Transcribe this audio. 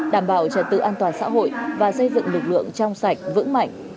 đảm bảo trật tự an toàn xã hội và xây dựng lực lượng trong sạch vững mạnh